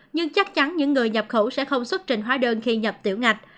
nhưng chắc chắn những người nhập khẩu sẽ không xuất trình hóa đơn khi nhập tiểu ngạch